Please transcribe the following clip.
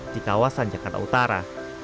di kawasan jakarta utara